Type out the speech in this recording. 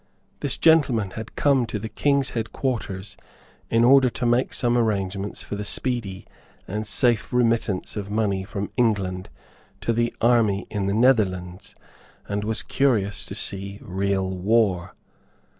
This gentleman had come to the King's headquarters in order to make some arrangements for the speedy and safe remittance of money from England to the army in the Netherlands, and was curious to see real war.